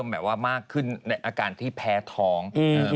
แบบว่ามากขึ้นในอาการที่แพ้ท้อง